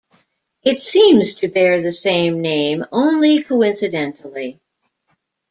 It seems to bear the same name only coincidentally.